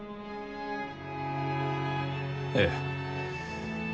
ええ。